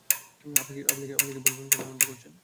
আপনি কি বলবেন কেন অমনটা করেছেন?